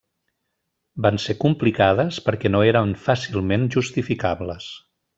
Van ser complicades perquè no eren fàcilment justificables.